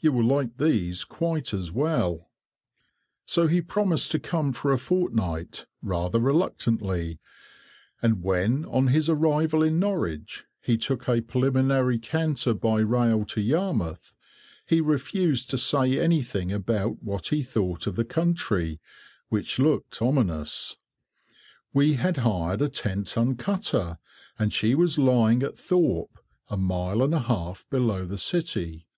You will like these quite as well." [Picture: Pull's Ferry] So he promised to come for a fortnight, rather reluctantly, and when, on his arrival in Norwich, he took a preliminary canter by rail to Yarmouth, he refused to say anything about what he thought of the country, which looked ominous. We had hired a ten ton cutter, and she was lying at Thorpe, a mile and a half below the city.